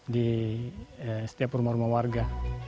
di setiap rumah rumah warga